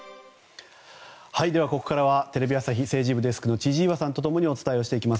ここからはテレビ朝日政治部デスクの千々岩さんと共にお伝えをしていきます。